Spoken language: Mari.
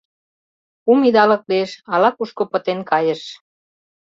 — Кум идалык лиеш — ала-кушко пытен кайыш.